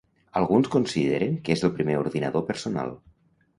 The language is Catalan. Alguns consideren que és el primer ordinador personal.